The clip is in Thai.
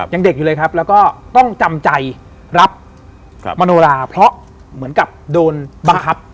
ยังเด็กอยู่เลยครับแล้วก็ต้องจำใจรับมโนราเพราะเหมือนกับโดนบังคับ